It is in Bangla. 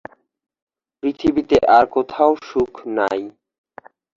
পৃথিবীতে আর কোথাও সুখ নাই।